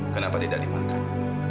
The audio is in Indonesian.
kenapa tidak dimakan